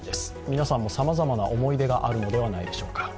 皆さんも、さまざまな思い出があるのではないでしょうか。